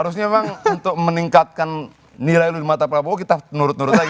kita cuma untuk meningkatkan nilai lu di mata prabowo kita nurut nurut aja gitu